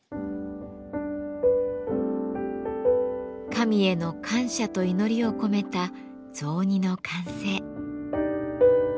神への感謝と祈りを込めた雑煮の完成。